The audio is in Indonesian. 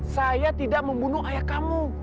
saya tidak membunuh ayah kamu